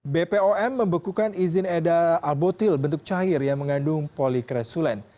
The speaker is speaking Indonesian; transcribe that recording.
bpom membekukan izin edar albutil bentuk cair yang mengandung polikresulen